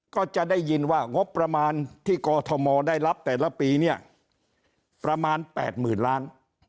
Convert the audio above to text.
ก็จะได้ยินว่างบประมาณที่กอทมได้รับแต่ละปีเนี่ยประมาณ๘๐๐๐ล้าน